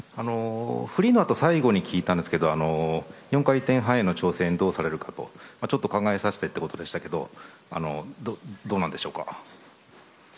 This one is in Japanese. フリーのあと最後に聞いたんですが４回転半への挑戦をどうされるかと、ちょっと考えさせてということでしたがどうなんでしょうか？